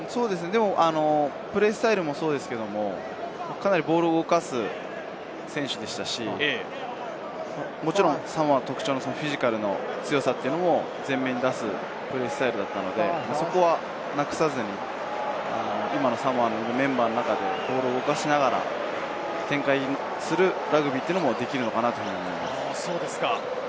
プレースタイルもそうですけれど、かなりボールを動かす選手でしたし、もちろんサモアの特徴、フィジカルの強さも前面に出すプレースタイルだったので、そこはなくさずに、今のサモアにいるメンバーの中でボールを動かしながら展開するラグビーもできるのかなと思います。